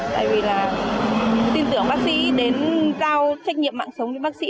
tại vì là tin tưởng bác sĩ đến cao trách nhiệm mạng sống cho bác sĩ